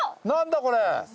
何だこれ。